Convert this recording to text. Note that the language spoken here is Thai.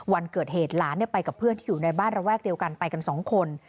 วันเกิดเหตุหลานไปกับเพื่อนที่อยู่ในบ้านระแวกเดียวกันไปกันสองคน